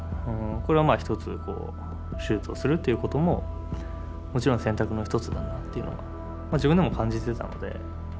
これは一つ手術をするということももちろん選択の一つだなっていうのは自分でも感じてたので。